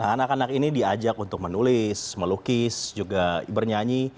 anak anak ini diajak untuk menulis melukis juga bernyanyi